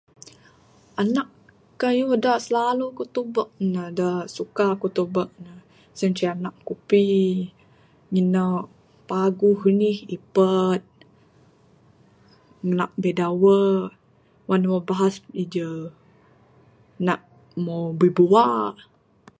Anak kayuh dak silalu ku tubek ne, dak suka ku tubek ne siencheh anak kupi ngin ne paguh nih ipet, nak bidawe, wang ne bahas ije, nak mo bibua